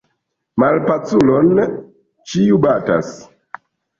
Malpaculon ĉiu batas.